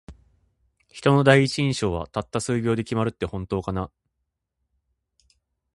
人の第一印象は、たった数秒で決まるって本当かな。